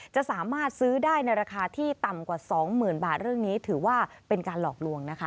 จะสามารถซื้อได้ในราคาที่ต่ำกว่าสองหมื่นบาทเรื่องนี้ถือว่าเป็นการหลอกลวงนะคะ